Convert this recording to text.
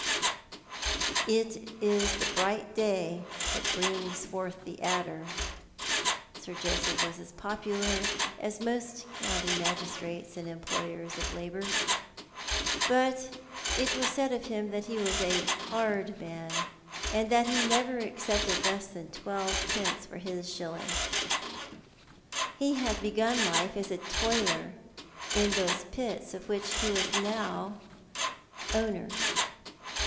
" It is the bright day that brings forth the adder." Sir Joseph was as popular as most county magistrates and employers of labour ; but it was said of him that he was a hard man, and that he never accepted less than twelve pence for his shilling. He had begun life as a toiler in those pits of which he was now 30 Tho2t art the Man. o"wner.